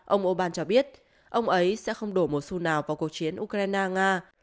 ông obama cho biết ông ấy sẽ không đổ một xu nào vào cuộc chiến ukraine nga